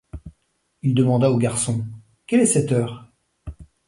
Il demanda au garçon: — Quelle est cette heure?